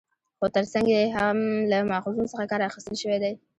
خو تر څنګ يې هم له ماخذونو څخه کار اخستل شوى دى